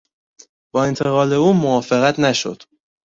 با انتقال او موافقت نشد.